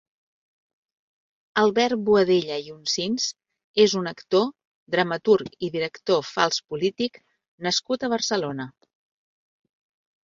Albert Boadella i Oncins és un actor, dramaturg i director Fals polític nascut a Barcelona.